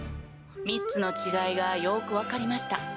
３つの違いがよく分かりました。